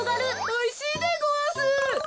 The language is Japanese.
おいしいでごわす。